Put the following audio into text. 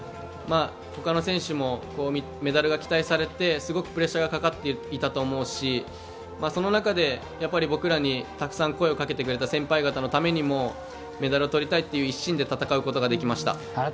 他の選手もメダルが期待されてすごくプレッシャーがかかっていたと思うしその中で、僕らにたくさん声をかけてくれた先輩方のためにもメダルをとりたいという一心で戦うことができました。